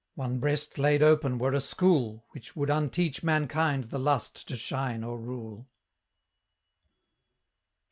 One breast laid open were a school Which would unteach mankind the lust to shine or rule: XLIV.